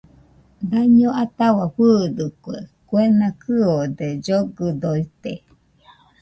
Daño ataua fɨɨdɨkue, kuena kɨode, llogɨdoite